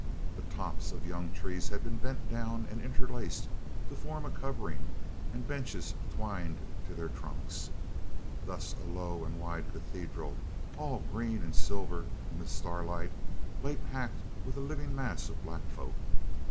The tops of young trees had been bent down and interlaced to form a covering and benches twined to their trunks. Thus a low and wide cathedral, all green and silver in the star light, lay packed with a living mass of black folk.